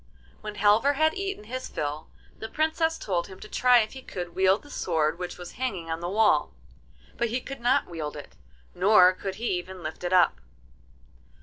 When Halvor had eaten his fill, the Princess told him to try if he could wield the sword which was hanging on the wall, but he could not wield it, nor could he even lift it up.